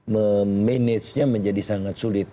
managenya menjadi sangat sulit